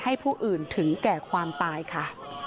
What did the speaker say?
ผู้อื่นถึงแก่ความตายค่ะ